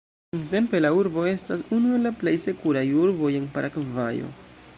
Nuntempe la urbo estas unu el la plej sekuraj urboj en Paragvajo.